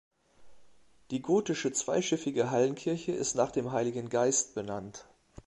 Die gotische zweischiffige Hallenkirche ist nach dem Heiligen Geist benannt.